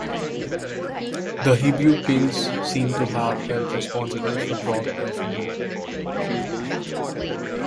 The Hebrew kings seem to have been held responsible for drought and famine.